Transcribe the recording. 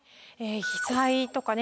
被災とかね